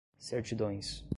certidões